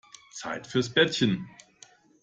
Zeit fürs Bettchen.